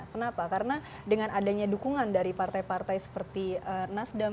kenapa karena dengan adanya dukungan dari partai partai seperti nasdem